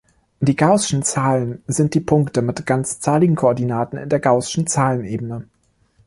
Die gaußschen Zahlen sind die Punkte mit ganzzahligen Koordinaten in der gaußschen Zahlenebene.